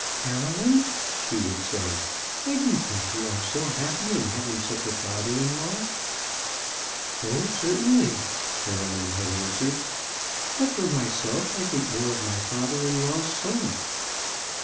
"Caroline," she would say, "I do think you are so happy in having such a father in law." "Oh, certainly," Caroline had answered. "But, for myself, I think more of my father in law's son."